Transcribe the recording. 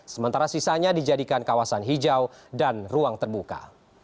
sementara sisanya dijadikan kawasan hijau dan ruang terbuka